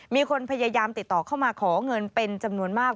มีคนพยายามติดต่อเข้ามาขอเงินเป็นจำนวนมาก